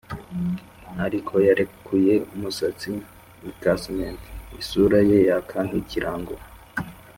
ariko yarekuye umusatsi i 'casement! isura ye yaka nk'ikirango